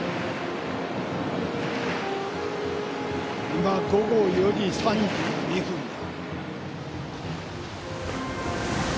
今午後４時３２分だ。